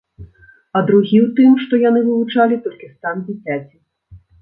А другі ў тым, што яны вывучалі толькі стан дзіцяці.